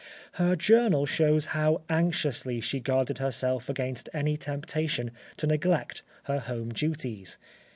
Her journal shows how anxiously she guarded herself against any temptation to neglect her home duties.